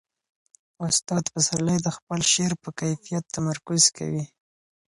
استاد پسرلی د خپل شعر پر کیفیت تمرکز کوي.